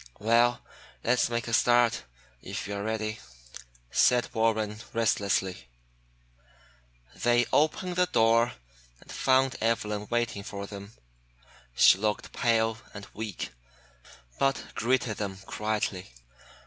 "Well, let's make a start, if you are ready," said Warren restlessly. They opened the door and found Evelyn waiting for them. She looked pale and weak, but greeted them quietly.